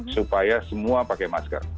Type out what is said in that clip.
supaya semua pakai masker